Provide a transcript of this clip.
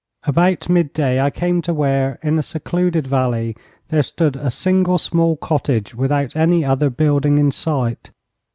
About midday I came to where, in a secluded valley, there stood a single small cottage without any other building in sight.